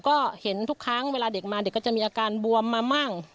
ก็เห็นทุกครั้งเวลาเด็กมาเด็กก็จะมีอาการบวมมามั่ง